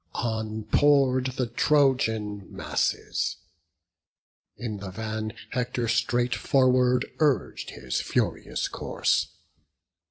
On pour'd the Trojan masses; in the van Hector straight forward urg'd his furious course.